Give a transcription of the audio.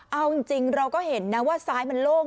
เอาจริงเราก็เห็นนะว่าซ้ายมันโล่ง